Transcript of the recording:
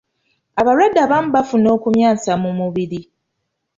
Abalwadde abamu bafuna okumyansa mu mubiri.